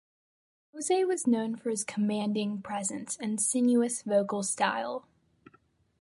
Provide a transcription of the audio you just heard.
Kamoze was known for his "commanding presence" and "sinuous vocal style".